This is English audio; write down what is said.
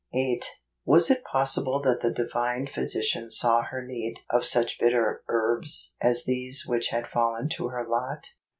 8. Was it possible that the Divine Phy¬ sician saw her need of such bitter herbs as these which had fallen to her lot